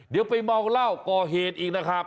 เดี๋ยวไปเมาเหล้าก่อเหตุอีกนะครับ